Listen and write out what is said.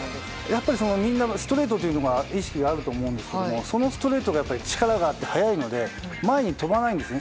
やっぱりみんなストレートが意識にあると思うんですけどそのストレートが力があって速いので前に飛ばないんです。